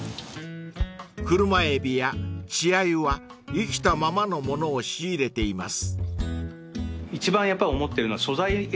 ［車海老や稚鮎は生きたままのものを仕入れています］